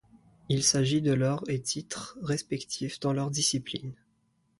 Il s'agit de leur et titre respectif dans leur discipline.